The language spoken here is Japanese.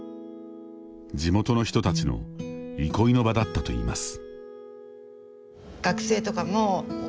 地元の人たちの憩いの場だったといいます。